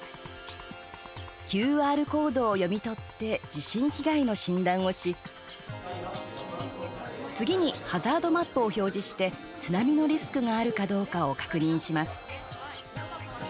ＱＲコードを読み取って地震被害の診断をし次にハザードマップを表示して津波のリスクがあるかどうかを確認します。